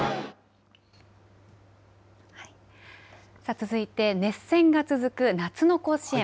続いて熱戦が続く夏の甲子園。